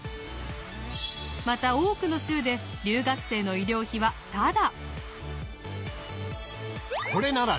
また多くの州で留学生の医療費はタダ！